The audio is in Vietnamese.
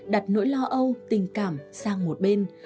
đặt nỗi lo âu tình cảm sang một bên